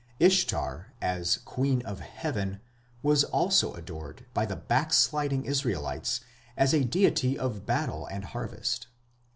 Ishtar, as Queen of Heaven, was also adored by the backsliding Israelites as a deity of battle and harvest.